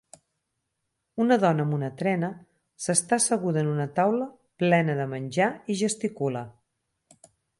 Una dona amb una trena s'està asseguda en una taula plena de menjar i gesticula.